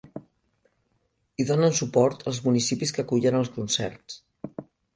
Hi donen suport els municipis que acullen els concerts.